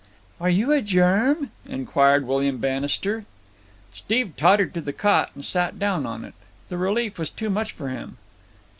"Are you a germ?" inquired William Bannister. Steve tottered to the cot and sat down on it. The relief was too much for him.